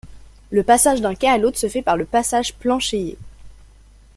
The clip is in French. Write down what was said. Le passage d'un quai à l'autre se fait par le passage planchéié.